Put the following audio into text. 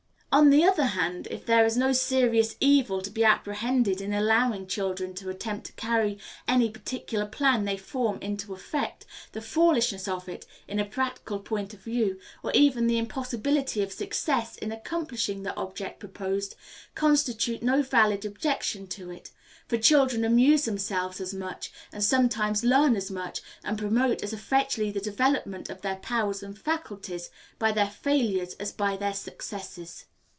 On the other hand, if there is no serious evil to be apprehended in allowing children to attempt to carry any particular plan they form into effect, the foolishness of it, in a practical point of view, or even the impossibility of success in accomplishing the object proposed, constitute no valid objection to it; for children amuse themselves as much, and sometimes learn as much, and promote as effectually the development of their powers and faculties, by their failures as by their successes.